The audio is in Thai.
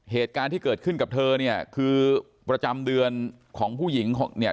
เหตุการณ์ที่เกิดขึ้นกับเธอเนี่ยคือประจำเดือนของผู้หญิงเนี่ย